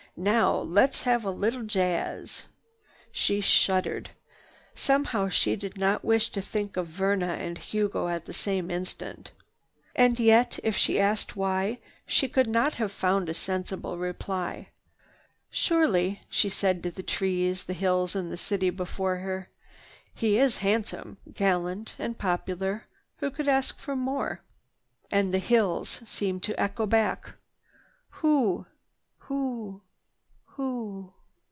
Now let's have a little jazz!" She shuddered. Somehow, she did not wish to think of Verna and Hugo at the same instant. And yet if asked why, she could not have found a sensible reply. "Surely," she said to the trees, the hills and the city before her, "he is handsome, gallant and popular. Who could ask for more?" And the hills seemed to echo back, "Who? Who?